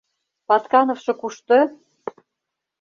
— Паткановшо кушто?